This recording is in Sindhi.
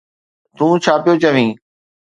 تون ڇا پيو چوين؟